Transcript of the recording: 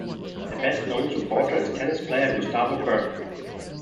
Their best known supporter is tennis player Gustavo Kuerten.